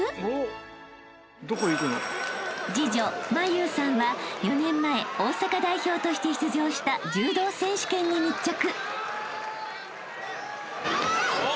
［次女茉夕さんは４年前大阪代表として出場した柔道選手権に密着］